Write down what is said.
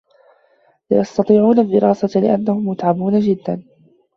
لا يستطيعون الدراسة لأنهم متعبون جدا.